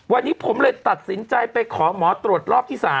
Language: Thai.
วันนี้ผมเลยตัดสินใจไปขอหมอตรวจรอบที่๓